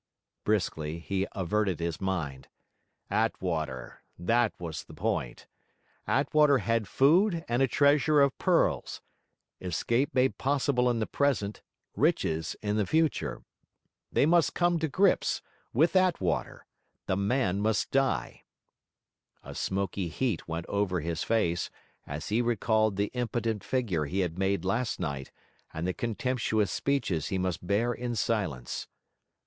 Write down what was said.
Briskly, he averted his mind. Attwater: that was the point. Attwater had food and a treasure of pearls; escape made possible in the present, riches in the future. They must come to grips, with Attwater; the man must die. A smoky heat went over his face, as he recalled the impotent figure he had made last night and the contemptuous speeches he must bear in silence.